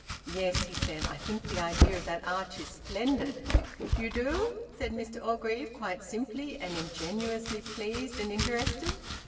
"Yes," he said, "I think the idea of that arch is splendid." "You do?" said Mr Orgreave quite simply and ingenuously pleased and interested.